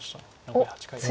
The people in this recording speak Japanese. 残り８回です。